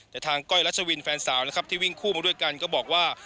แต่ทางก้อยรัชวินแฟนสาวนะครับที่วิ่งคู่มาด้วยกันก็บอกว่า